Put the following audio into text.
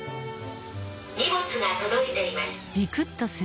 「荷物が届いています」。